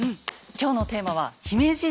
今日のテーマは「姫路城」。